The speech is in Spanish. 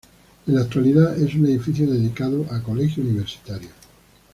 En la actualidad es un edificio dedicado a colegio universitario.